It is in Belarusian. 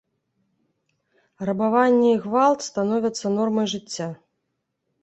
Рабаванне і гвалт становяцца нормай жыцця.